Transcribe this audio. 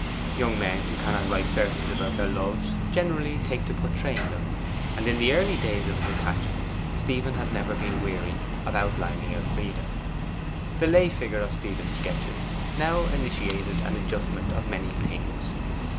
Young men who cannot write verses about their Loves generally take to portraying them, and in the early days of his attachment Smith had never been weary of outlining Elfride. The lay figure of Stephen's sketches now initiated an adjustment of many things.